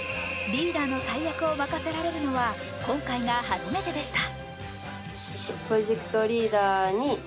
リーダーの大役を任せられるのは今回が初めてでした。